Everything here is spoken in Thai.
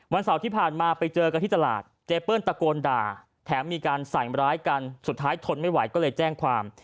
เสาร์ที่ผ่านมาไปเจอกันที่ตลาดเจเปิ้ลตะโกนด่าแถมมีการใส่ร้ายกันสุดท้ายทนไม่ไหวก็เลยแจ้งความ